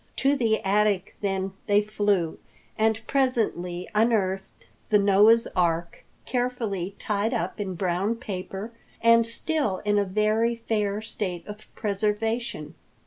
To the attic, then, they flew and presently unearthed the Noah's Ark carefully tied up in brown paper and still in a very fair state of preservation.